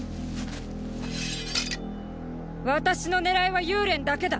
私の狙いは幽連だけだ！